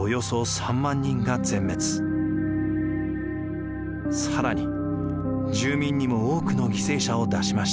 更に住民にも多くの犠牲者を出しました。